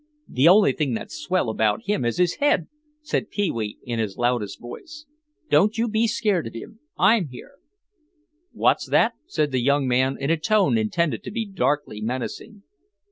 "The only thing that's swell about him is his head," said Pee wee in his loudest voice. "Don't you be scared of him, I'm here." "What's that?" said the young man in a tone intended to be darkly menacing.